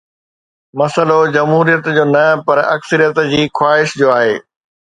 مسئلو جمهوريت جو نه پر اڪثريت جي خواهش جو آهي.